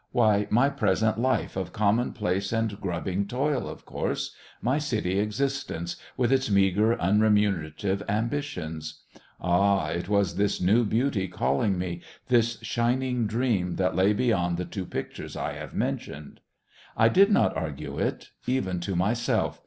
Why, my present life of commonplace and grubbing toil, of course; my city existence, with its meagre, unremunerative ambitions. Ah, it was this new Beauty calling me, this shining dream that lay beyond the two pictures I have mentioned.... I did not argue it, even to myself.